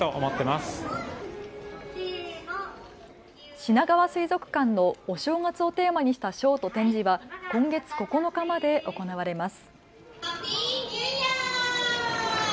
しながわ水族館のお正月をテーマにしたショーと展示は今月９日まで行われます。